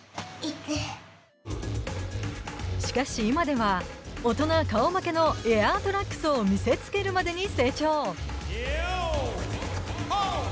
しかし、今では大人顔負けのエアートラックスを見せつけるまでに成長。